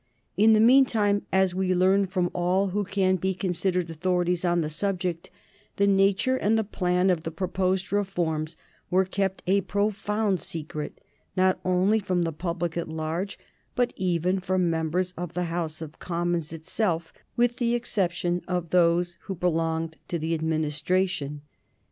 In the mean time, as we learn from all who can be considered authorities on the subject, the nature and the plan of the proposed reforms were kept a profound secret, not only from the public at large, but even from members of the House of Commons itself, with the exception of those who belonged to the Administration.